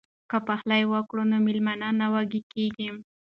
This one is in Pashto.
که پخلی وکړو نو میلمانه نه وږي کیږي.